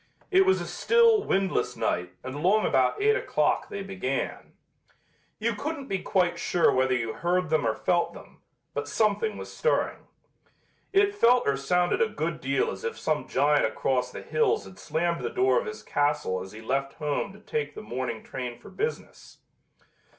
It was a still, windless night and along about eight o'clock they began. You couldn't be quite sure whether you heard them or felt them, but something was stirring. It felt or sounded a good deal as if some giant across the hills had slammed the door of his castle as he left home to take the morning train for business.